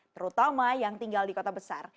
terutama yang tinggal di kota besar